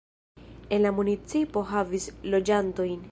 En la municipo havis loĝantojn.